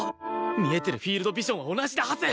見えてるフィールドビジョンは同じなはず！